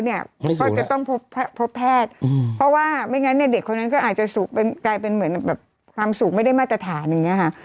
เขาจะต้องพบแพทย์เพราะว่าไม่งั้นเนี่ยเด็กคนนั้นก็อาจจะกลายเป็นเหมือนแบบความสุขไม่ได้มาตรฐานอย่างนี้ค่ะ